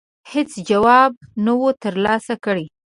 هېڅ جواب نه وو ترلاسه کړی.